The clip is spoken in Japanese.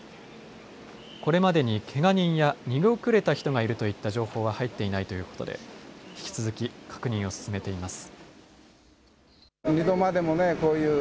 これまでに、けが人や逃げ遅れた人がいるといった情報は入っていないということで引き続き、確認を進めています。